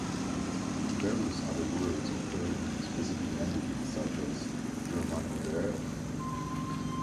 Various other words occur in specific languages, such as German oder?